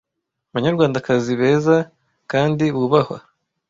banyarwandakazi beza kandi bubahwa